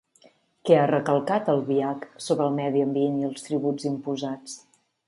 Què ha recalcat Albiach sobre el medi ambient i els tributs imposats?